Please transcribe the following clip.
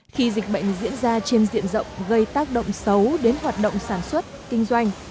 khi dịch bệnh diễn ra trên diện rộng gây tác động xấu đến hoạt động sản xuất kinh doanh